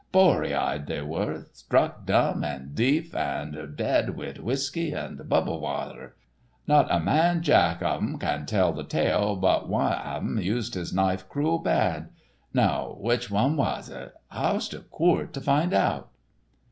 Bory eyed they were; struck dumb an' deef an' dead wid whiskey and bubble wather. Not a manjack av um can tell the tale, but wan av um used his knife cruel bad. Now which wan was it? Howse the coort to find out?"